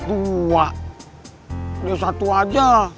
dia satu aja